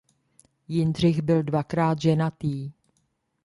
Jindřich byl dvakrát ženatý.